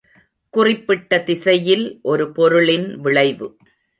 குறிப்பிட்ட திசையில் ஒரு பொருளின் விளைவு.